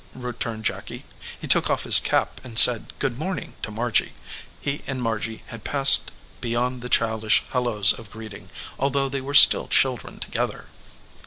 returned Jacky. He took off his cap and said good morning to Margy. He and Margy had passed beyond the childish halloos of greeting, although they were still children together.